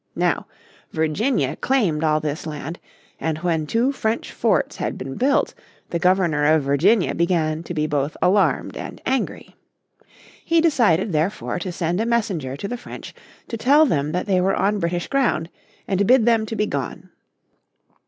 Now, Virginia claimed all this land, and when two French forts had been built the Governor of Virginia began to be both alarmed and angry. He decided, therefore, to send a messenger to the French to tell them that they were on British ground, and bid them to be gone.